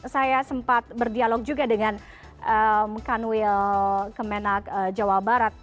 saya sempat berdialog juga dengan kanwil kemenak jawa barat